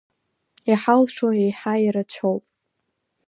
Иҳалшо еиҳа ирацәоуп.